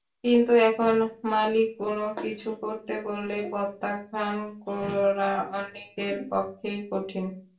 কিন্তু এখন মালিক কোনো কিছু করতে বললে প্রত্যাখ্যান করা অনেকের পক্ষেই কঠিন।